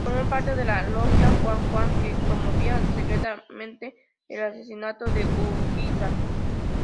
Formó parte de la Logia Juan-Juan, que promovía secretamente el asesinato de Urquiza.